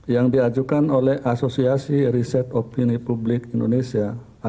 yang diajukan oleh asosiasi riset opini publik indonesia